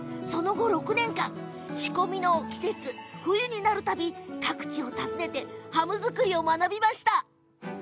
その後６年間仕込みの冬の季節になるたび各地を訪ねてハム作りを学びました。